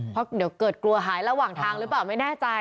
เพราะเดี๋ยวเกิดกลัวหายระหว่างทางหรือเปล่าไม่แน่ใจ